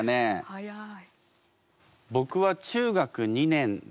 早い。